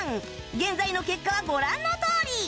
現在の結果はご覧のとおり